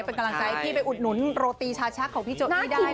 เป็นกำลังใจที่ไปอุดหนุนโรตีชาชักของพี่โจนี่ได้